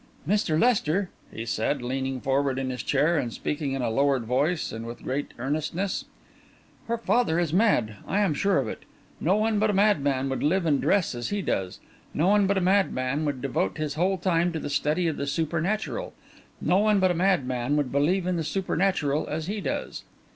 "Mr. Lester," he said, leaning forward in his chair and speaking in a lowered voice and with great earnestness, "her father is mad I am sure of it. No one but a madman would live and dress as he does; no one but a madman would devote his whole time to the study of the supernatural; no one but a madman would believe in the supernatural as he does."